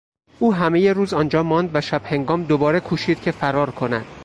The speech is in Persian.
او همهی روز آنجا ماند و شب هنگام دوباره کوشید که فرار کند.